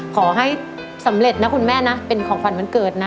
ขอให้สำเร็จนะคุณแม่นะเป็นของขวัญวันเกิดนะ